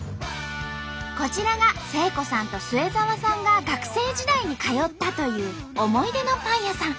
こちらが誠子さんと末澤さんが学生時代に通ったという思い出のパン屋さん。